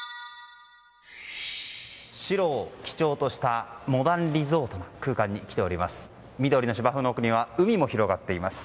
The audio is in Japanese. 白を基調としたモダンリゾートの空間に来ております。